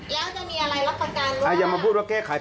แล้วจะมีอะไรรับประการว่าอย่ามายังมาพูดว่าแก้ไข